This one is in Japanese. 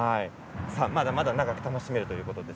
まだまだ長く楽しめるということです。